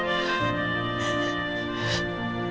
putri aku nolak